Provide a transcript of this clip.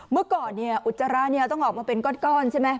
เมื่อก่อนอุจจาระต้องออกมาเป็นก้อนใช่ไหม